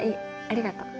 ありがとう。